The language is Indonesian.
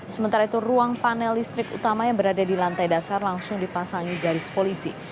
sementara itu ruang panel listrik utama yang berada di lantai dasar langsung dipasangi garis polisi